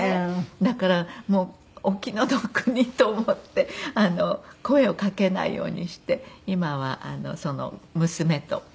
だからもうお気の毒にと思って声をかけないようにして今は娘と２人で食べています。